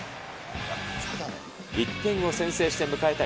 １点を先制して迎えた